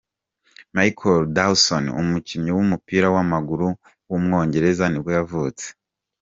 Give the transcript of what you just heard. Michael Dawson, umukinnyi w’umupira w’amaguru w’umwongereza nibwo yavutse.